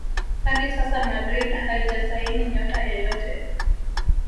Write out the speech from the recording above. hadi sasa Madrid haijasaini nyota yeyote